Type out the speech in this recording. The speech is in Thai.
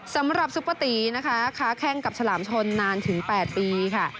สำหรับซุภตีนะคะค้าแข้งกับฉลามชนนานถึง๘ปีค่ะ